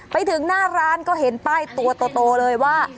ไปถึงหน้าร้านก็เห็นป้ายตัวโตเลยว่า